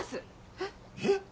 えっ？えっ？